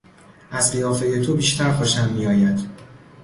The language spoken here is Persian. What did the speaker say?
از قیافهی تو بیشتر خوشم میآید.